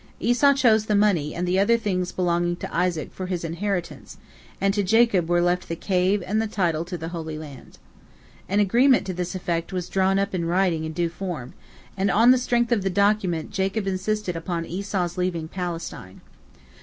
Esau chose the money and the other things belonging to Isaac for his inheritance, and to Jacob were left the Cave and the title to the Holy Land. An agreement to this effect was drawn up in writing in due form, and on the strength of the document Jacob insisted upon Esau's leaving Palestine.